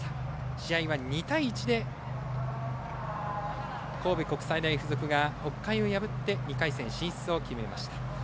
試合は２対１で神戸国際大付属が北海を破って２回戦進出を決めました。